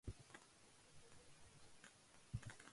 match کا درجہ دے دیا گیا تھا